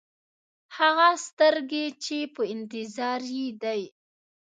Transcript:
هغه سترګې چې په انتظار یې دی.